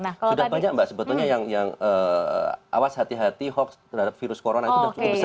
sudah banyak mbak sebetulnya yang awas hati hati hoax terhadap virus corona itu sudah cukup besar